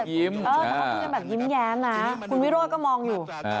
แต่เขาคุยกันแบบยิ้มแย้มนะคุณวิโรธก็มองอยู่